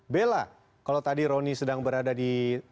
bella kalau tadi roni sedang berada di